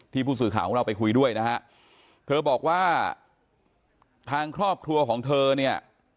ผู้สื่อข่าวของเราไปคุยด้วยนะฮะเธอบอกว่าทางครอบครัวของเธอเนี่ย